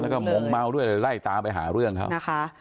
แล้วก็มงเมาด้วยไล่ตามไปหาเรื่องเขานะคะ